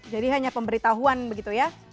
jadi hanya pemberitahuan begitu ya